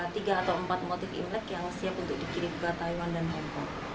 tiga atau empat motif imlek yang siap untuk dikirim ke taiwan dan hongkong